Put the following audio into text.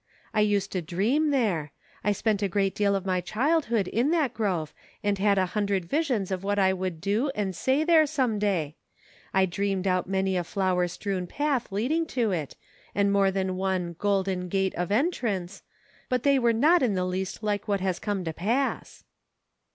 I used to dream there ; I spent a great deal of my childhood in that grove, and had a hundred visions of what I would do and say there some day ; I dreamed out many a flower strewn path leading to it, and more than one * golden gate ' of entrance, but they were not in the least like what has come to pass."